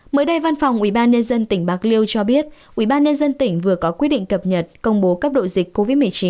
mới đây văn phòng ubnd tỉnh bạc liêu cho biết ubnd tỉnh vừa có quyết định cập nhật công bố cấp đội dịch covid một mươi chín